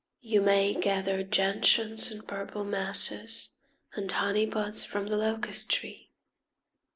You may gather gentians in purple masses And honeypods from the locust tree.